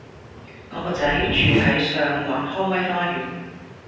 我個仔住喺上環康威花園